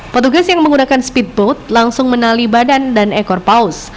petugas yang menggunakan speedboat langsung menali badan dan ekor paus